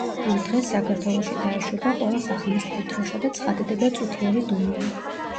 ამ დღეს საქართველოში დაეშვება ყველა სახელმწიფო დროშა და ცხადდება წუთიერი დუმილი.